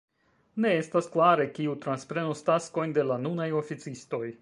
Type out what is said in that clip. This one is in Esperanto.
Ne estas klare kiu transprenos taskojn de la nunaj oficistoj.